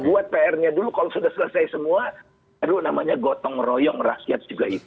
buat pr nya dulu kalau sudah selesai semua aduh namanya gotong royong rakyat juga ikut